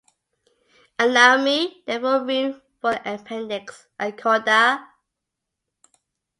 Allow me therefore room for an appendix, a coda.